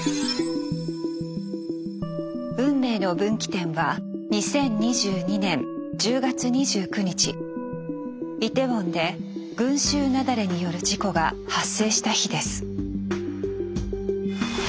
運命の分岐点はイテウォンで群集雪崩による事故が発生した日です。